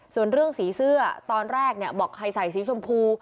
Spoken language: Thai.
ส่วนเรื่องสีเสื้อตอนแรกบอกใครใส่สีชมพู